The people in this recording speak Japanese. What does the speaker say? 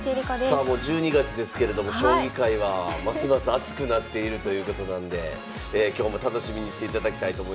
さあもう１２月ですけれども将棋界はますます熱くなっているということなんで今日も楽しみにしていただきたいと思います。